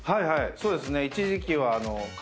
そうですね。